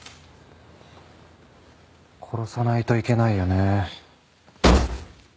殺さないといけないよね。